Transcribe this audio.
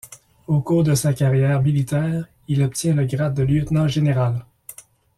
Au cours de sa carrière militaire, il obtient le grade de Lieutenant-général.